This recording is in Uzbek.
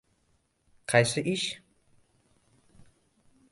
— Qaysi ish?